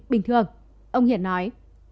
bình thường ông hiển nói